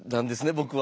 僕は。